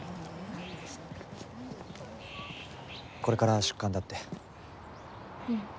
これから出棺だって。